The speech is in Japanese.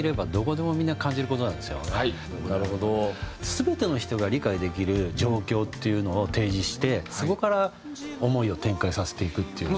全ての人が理解できる状況っていうのを提示してそこから思いを展開させていくっていう。